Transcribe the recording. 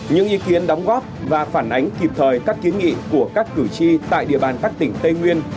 những ý kiến đóng góp và phản ánh kịp thời các kiến nghị của các cử tri tại địa bàn các tỉnh tây nguyên